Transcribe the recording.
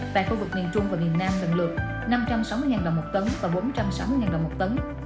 tại khu vực miền trung và miền nam gần lượt năm trăm sáu mươi đồng mỗi tấn và bốn trăm sáu mươi đồng mỗi tấn